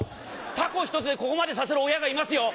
凧ひとつでここまでさせる親がいますよ。